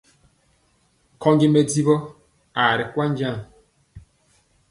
Nkyɔgi mɛdivɔ aa ri nkwaaŋ jɛn.